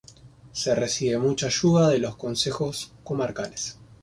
Se recibe mucha ayuda de los consejos comarcales.